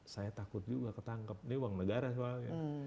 saya takut juga ketangkep ini uang negara soalnya